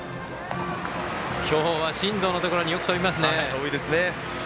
今日は進藤のところによく飛びますね。